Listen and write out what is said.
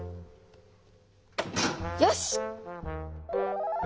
よし！